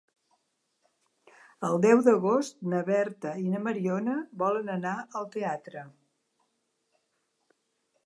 El deu d'agost na Berta i na Mariona volen anar al teatre.